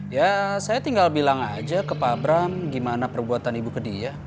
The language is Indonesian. ya saya tinggal bilang aja ke pak abram gimana perbuatan ibu ke dia